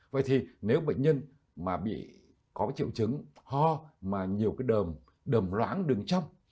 vậy thì nếu bệnh nhân mà bị có triệu chứng ho mà nhiều cái đờm đờm loãng đường trong